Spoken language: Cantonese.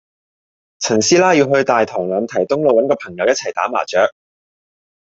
陳師奶要去大棠欖堤東路搵個朋友一齊打麻雀